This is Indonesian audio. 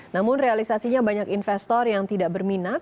namun realisasinya banyak investor yang tidak berminat